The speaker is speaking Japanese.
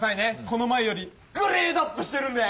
この前よりグレードアップしてるんで！